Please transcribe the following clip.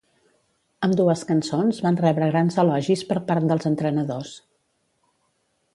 Ambdues cançons van rebre grans elogis per part dels entrenadors.